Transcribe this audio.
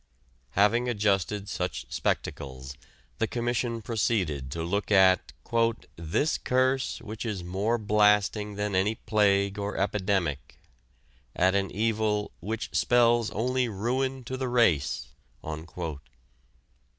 Having adjusted such spectacles the Commission proceeded to look at "this curse which is more blasting than any plague or epidemic," at an evil "which spells only ruin to the race."